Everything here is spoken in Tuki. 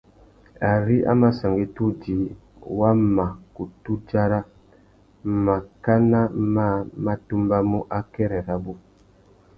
Ari a mà sangüetta udjï, wa mà kutu dzara màkánà mâā má tumbamú akêrê rabú.